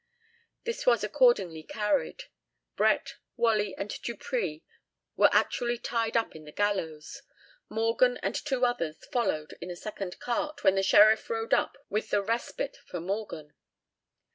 This was accordingly carried. Brett, Whalley, and Dupree were actually tied up to the gallows. Morgan and two others followed in a second cart, when the sheriff rode up with the respite for Morgan.